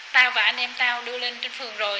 ta và anh em tao đưa lên trên phường rồi